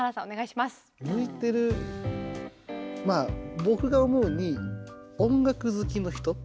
まあ僕が思うに音楽好きの人。